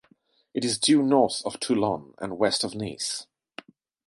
It is due north of Toulon and west of Nice.